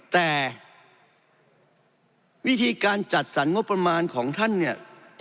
แต่วิธีการจัดสรรงบประมาณของท่านเนี่ย